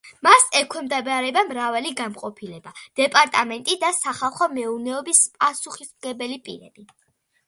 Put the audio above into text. მას ექვემდებარება მრავალი განყოფილება, დეპარტამენტი და სახალხო მეურნეობის პასუხისმგებელი პირები.